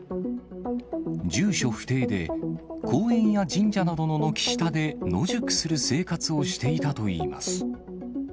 住所不定で、公園や神社などの軒下で、野宿する生活をしていたといいます。